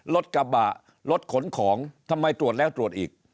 รถกระบะรถขนของทำไมตรวจแล้วตรวจอีก